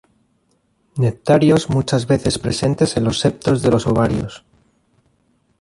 Nectarios muchas veces presentes en los septos de los ovarios.